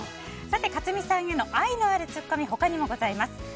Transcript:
克実さんへの愛のあるツッコミ他にもございます。